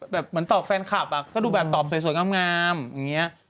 แบบเหมือนตอบแฟนคลับก็ดูแบบตอบสวยงามอย่างนี้